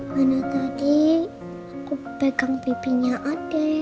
mana tadi aku pegang pipinya adek